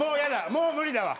もう無理だわ。